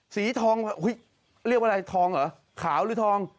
สีทองเรียกว่าอะไรทองเหรอขาวหรือทอง